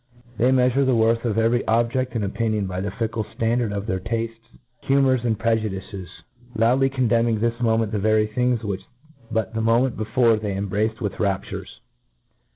They meafure the worth of every, objeft and opinion by the fickle ftandard of their taftcs, humours, and prejudices — ^loudly con demning this moment the very things which but . the moment before they embraced with raptures.